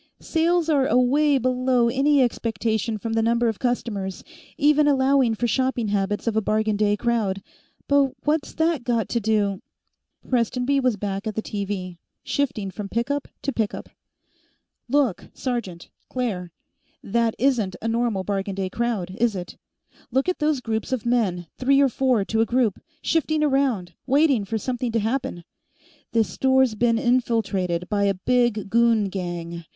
Sales are away below any expectation from the number of customers, even allowing for shopping habits of a bargain day crowd. But what's that got to do " Prestonby was back at the TV, shifting from pickup to pickup. "Look, sergeant, Claire. That isn't a normal bargain day crowd, is it? Look at those groups of men, three or four to a group, shifting around, waiting for something to happen. This store's been infiltrated by a big goon gang.